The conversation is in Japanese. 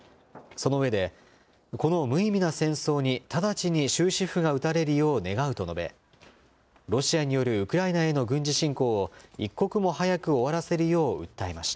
その上で、この無意味な戦争に直ちに終止符が打たれるよう願うと述べ、ロシアによるウクライナへの軍事侵攻を一刻も早く終わらせるよう訴えました。